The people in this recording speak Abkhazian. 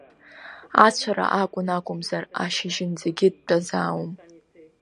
Ацәара акәын, акәымзар ашьыжьынӡагьы дтәазаауан.